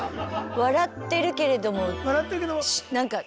笑ってるけれどもなんか。